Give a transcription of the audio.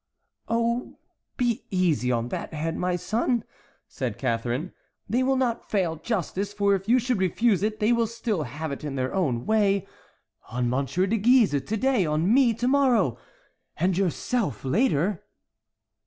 "Oh, be easy on that head, my son," said Catharine; "they will not fail justice; for if you should refuse it, they will still have it in their own way: on M. de Guise to day, on me to morrow, and yourself later."